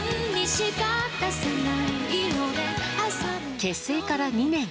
結成から２年。